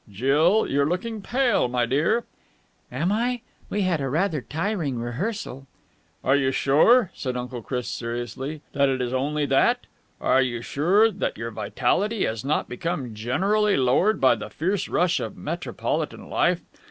"Jill, you're looking pale, my dear." "Am I? We had rather a tiring rehearsal." "Are you sure," said Uncle Chris seriously, "that it is only that? Are you sure that your vitality has not become generally lowered by the fierce rush of Metropolitan life?